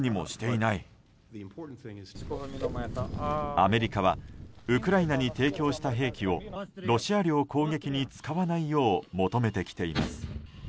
アメリカはウクライナに提供した兵器をロシア領攻撃に使わないよう求めてきています。